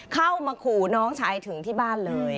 เข้ามาขู่น้องชายถึงที่บ้านเลย